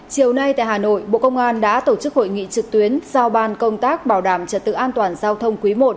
chiều nay tại hà nội bộ công an đã tổ chức hội nghị trực tuyến giao ban công tác bảo đảm trật tự an toàn giao thông quý i